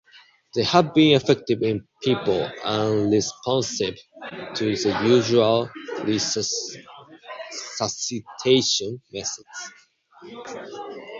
They have been effective in people unresponsive to the usual resuscitation methods.